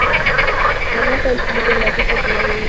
na mwaka elfu moja mia tisa themanini na tano